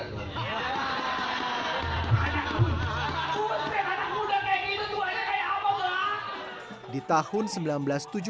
anak muda kayak gini tuannya kayak apa enggak